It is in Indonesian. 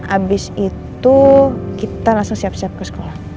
abis itu kita langsung siap siap ke sekolah